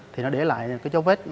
thì nó để lại cái dấu vết